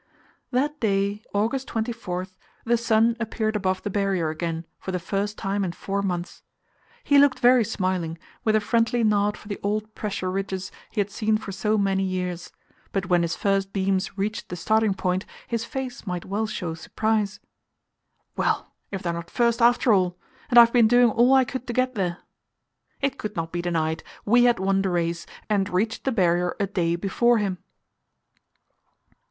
That day August 24 the sun appeared above the Barrier again for the first time in four months. He looked very smiling, with a friendly nod for the old pressure ridges he had seen for so many years; but when his first beams reached the starting point, his face might well show surprise. "Well, if they're not first, after all! And I've been doing all I could to get here!" It could not be denied; we had won the race, and reached the Barrier a day before him.